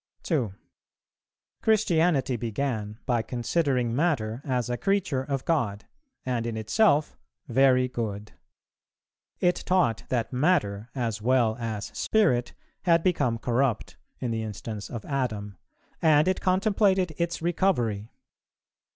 2. Christianity began by considering Matter as a creature of God, and in itself "very good." It taught that Matter, as well as Spirit, had become corrupt, in the instance of Adam; and it contemplated its recovery.